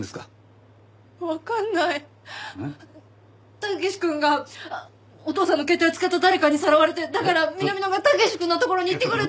武志くんがお父さんの携帯を使った誰かにさらわれてだから南野が武志くんのところに行ってくるって。